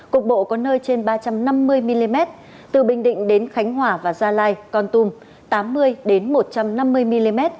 cục bộ có nơi trên ba trăm năm mươi mm từ bình định đến khánh hòa và gia lai con tum tám mươi một trăm năm mươi mm